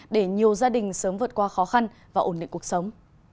để nhiều gia đình sớm vượt qua khó khăn và ổn định cuộc sống